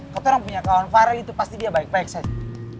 kau terang punya kawan fahri itu pasti dia baik baik saja